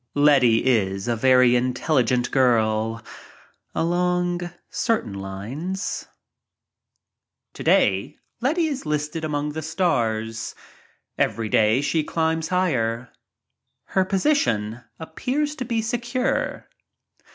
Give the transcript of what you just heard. Letty is a very intelligent girl — along certain lines. Today Letty is listed among the Stars, day she climbs higher. Her position appears to be secure.